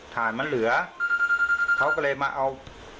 ฐานมันเหลือเขาก็เลยมาเอา